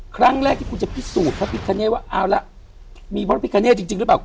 ครั้งแรกที่คุณจะพิสูจน์พระพิคเนตว่าเอาละมีพระพิกาเนตจริงหรือเปล่า